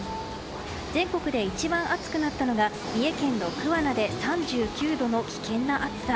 全国で一番暑くなったのが三重県の桑名で３９度の危険な暑さ。